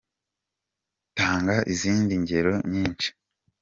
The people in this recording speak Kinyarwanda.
tanga izindi ngero nyinshi.